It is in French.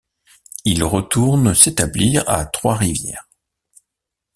Il retourne s'établir à Trois-Rivières.